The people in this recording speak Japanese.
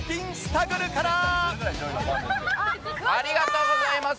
ありがとうございます！